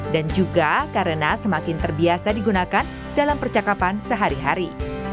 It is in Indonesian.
dan juga karena semakin terbiasa digunakan dalam percakapan sehari hari